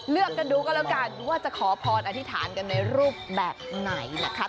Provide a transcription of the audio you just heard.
เลือกกันดูก็แล้วกันว่าจะขอพรอธิษฐานกันในรูปแบบไหนนะคะ